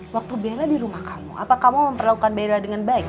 waktu bela di rumah kamu apa kamu memperlakukan bela dengan baik